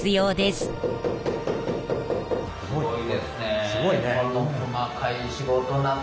すごいね。